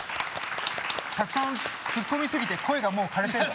たくさんツッコミすぎて声がもうかれてるわ。